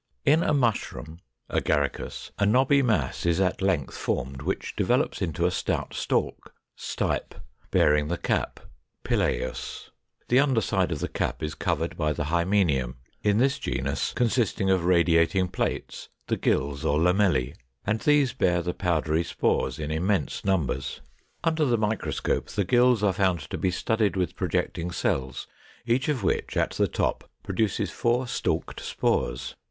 In a Mushroom (Agaricus), a knobby mass is at length formed, which develops into a stout stalk (Stipe), bearing the cap (Pileus): the under side of the cap is covered by the Hymenium, in this genus consisting of radiating plates, the gills or Lamellæ; and these bear the powdery spores in immense numbers. Under the microscope, the gills are found to be studded with projecting cells, each of which, at the top, produces four stalked spores.